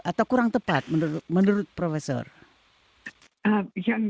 atau kurang tepat menurut profesor